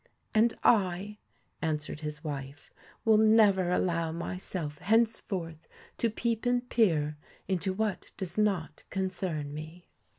'And I,' answered his wife, 'will never allow myself henceforth to peep and peer into what does not concern me.'